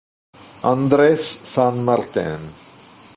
Andrés San Martín